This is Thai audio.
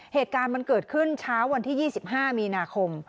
เหตุการณ์มันเกิดขึ้นเช้าวันที่๒๕มีนาคม